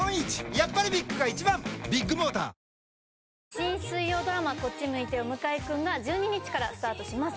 新水曜ドラマ、こっち向いてよ向井くんが１２日からスタートします。